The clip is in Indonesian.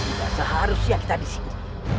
tidak seharusnya kita disini